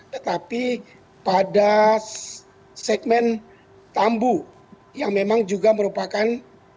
tetapi pada segmen tambu yang memang juga merupakan